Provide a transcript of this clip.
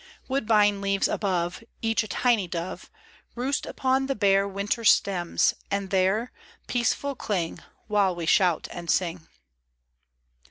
Woodbine leaves above, Each a tiny dove. Roost upon the bare Winter stems, and there Peaceful cling ; While we shout and sing.